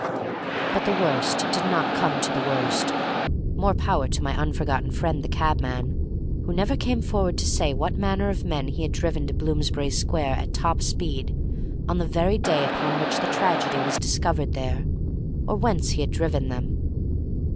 But the worst did not come to the worst, more power to my unforgotten friend the cabman, who never came forward to say what manner of men he had driven to Bloomsbury Square at top speed on the very day upon which the tragedy was discovered there, or whence he had driven them.